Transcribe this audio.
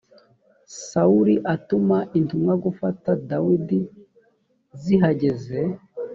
sawuli atuma intumwa gufata dawidi zihageze